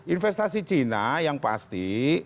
investasi china yang pasti